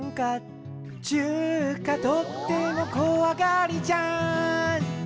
「てゆーか、とってもこわがりじゃん」